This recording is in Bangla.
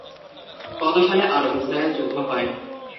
কত সালে আরব-ইসরায়েল যুদ্ধ হয়?